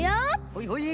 ほいほい。